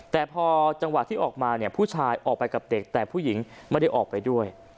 แต่พอจังหวะที่ออกมาเนี่ยผู้ชายออกไปกับเด็กแต่ผู้หญิงไม่ได้ออกไปด้วย